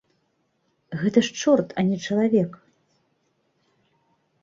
Гэта ж чорт, а не чалавек.